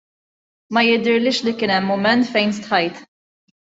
Ma jidhirlix li kien hemm mumenti fejn stħajt.